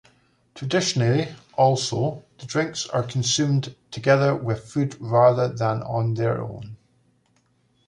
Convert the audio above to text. Traditionally, also, the drinks are consumed together with food rather than on their own.